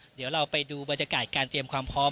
เดี๋ยวเราไปดูบรรยากาศการเตรียมความพร้อม